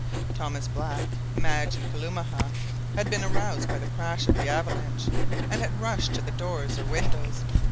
Thomas Black, Madge, and Kalumah had been aroused by the crash of the avalanche, and had rushed to the doors or windows.